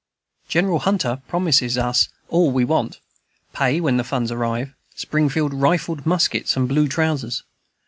General Hunter promises us all we want, pay when the funds arrive, Springfield rifled muskets, and blue trousers.